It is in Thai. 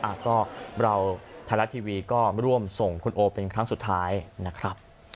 อ่ะก็เราไทยรัฐทีวีก็ร่วมส่งคุณโอเป็นครั้งสุดท้ายนะครับ